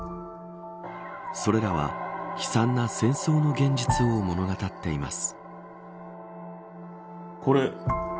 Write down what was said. それらは悲惨な戦争の現実を物語っています。